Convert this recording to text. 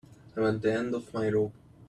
I'm at the end of my rope.